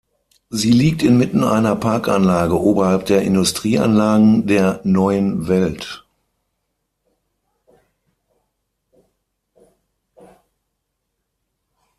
Sie liegt inmitten einer Parkanlage oberhalb der Industrieanlagen der "Neuen Welt".